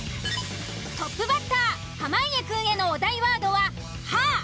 トップバッター濱家くんへのお題ワードは「はぁ」。